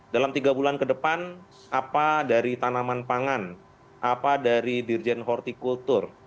dalam tiga bulan ke depan apa dari tanaman pangan apa dari dirjen hortikultur